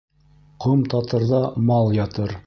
Ҡом татырҙа мал ятыр.